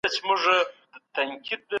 دا حالت ډېر په زړه پورې دی.